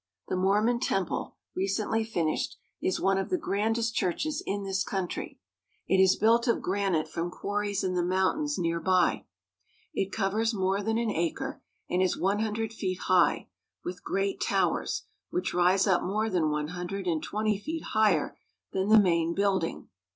The Mormon Temple, recently finished, is one of the grandest churches in this country. It is built of granite from quarries in the mountains near by. It covers more than an acre, and is one hundred feet high, with great towers, which rise up more than one hun dred and twenty feet higher than the main building.